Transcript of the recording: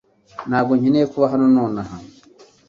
Ntabwo nkeneye kuba hano nonaha